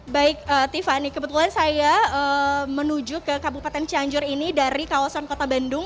baik tiffany kebetulan saya menuju ke kabupaten cianjur ini dari kawasan kota bandung